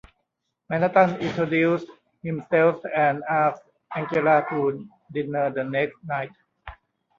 Manhattan introduces himself and asks Angela to dinner the next night.